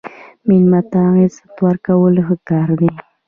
مېلمه ته عزت ورکول ښه کار دی.